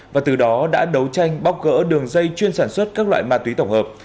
và từ đó đã đấu tranh bóc gỡ đường dây chuyên sản xuất các loại ma túy tổng hợp